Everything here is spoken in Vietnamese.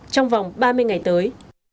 trong vòng ba mươi ngày tới